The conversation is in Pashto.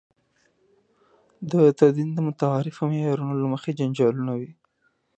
د تدین د متعارفو معیارونو له مخې جنجالونه وي.